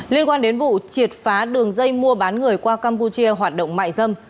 liên quan đến vụ triệt phá đường dây mua bán người qua campuchia hoạt động mại dâm